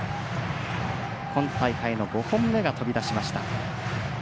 今大会の５本目が飛び出しました。